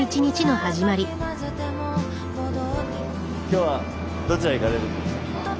今日はどちらへ行かれるんですか？